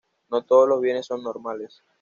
No todos los bienes son "normales".